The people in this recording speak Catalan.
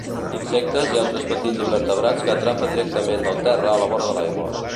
Insectes i altres petits invertebrats que atrapa directament del terra a la vora de l'aigua.